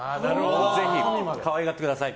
ぜひ可愛がってください。